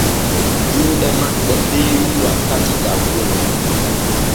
Juuɗe maɓɓ e feewi wakkati dabbune.